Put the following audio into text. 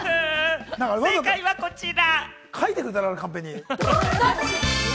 正解はこちら！